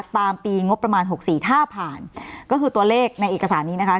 ตามปีงบประมาณ๖๔ถ้าผ่านก็คือตัวเลขในเอกสารนี้นะคะ